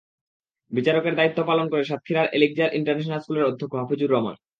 বিচারকের দায়িত্ব পালন করেন সাতক্ষীরার এলিকজার ইন্টারন্যাশনাল স্কুলের অধ্যক্ষ হাফিজুর রহমান।